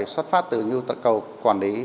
xuất phát từ nhu tập cầu quản lý